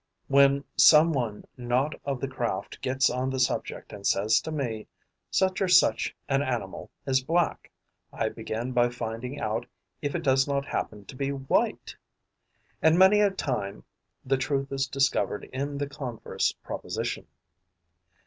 When some one not of the craft gets on the subject and says to me, 'Such or such an animal is black,' I begin by finding out if it does not happen to be white; and many a time the truth is discovered in the converse proposition.